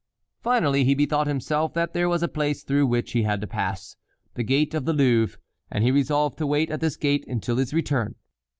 Finally he bethought himself that there was a place through which he had to pass, the gate of the Louvre, and he resolved to wait at this gate until his return.